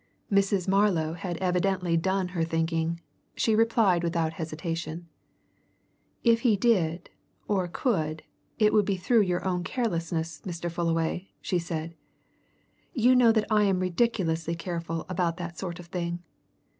Mrs. Marlow had evidently done her thinking; she replied without hesitation. "If he did, or could, it would be through your own carelessness, Mr. Fullaway," she said. "You know that I am ridiculously careful about that sort of thing!